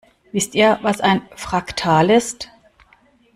Wisst ihr, was ein Fraktal ist?